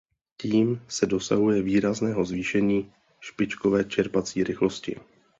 Tím se dosahuje výrazného zvýšení špičkové čerpací rychlosti.